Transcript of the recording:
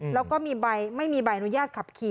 แล้วก็มีใบไม่มีใบอนุญาตขับขี่